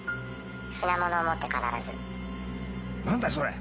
品物を持って必ずなんだそれ！